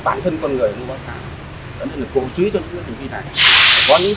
bản thân con người của ngô ba khá cố suý cho những người tình huy này